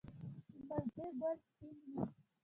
د مالټې ګل سپین وي؟